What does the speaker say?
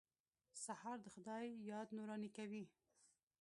سهار د خدای یاد نوراني کوي.